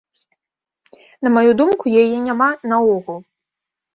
На маю думку, яе няма наогул.